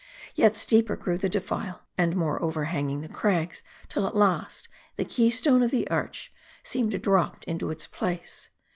Yet steeper grew the defile, and more overhanging the crags ; till 'at last, the keystone of the arch seemed dropped into its place.